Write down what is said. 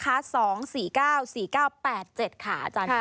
๒๔๙๔๙๘๗ค่ะอาจารย์ค่ะ